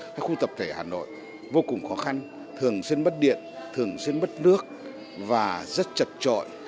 các khu tập thể hà nội vô cùng khó khăn thường xuyên mất điện thường xuyên mất nước và rất chật trội